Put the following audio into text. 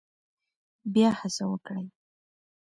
بیا هڅه وکړئ